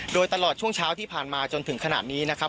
โดยตลอดช่วงเช้าที่ผ่านมาจนถึงขนาดนี้นะครับ